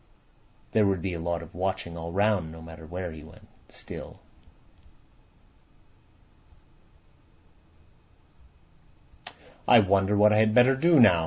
There would be a lot of watching all round, no matter where he went. Still— "I wonder what I had better do now?"